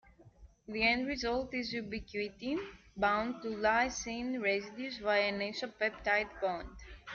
The end result is ubiquitin bound to lysine residues via an isopeptide bond.